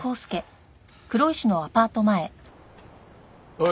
おい。